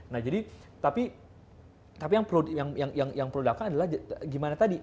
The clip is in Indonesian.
nah jadi tapi yang perlu dilakukan adalah gimana tadi